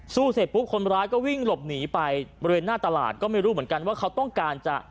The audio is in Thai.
เสร็จปุ๊บคนร้ายก็วิ่งหลบหนีไปบริเวณหน้าตลาดก็ไม่รู้เหมือนกันว่าเขาต้องการจะ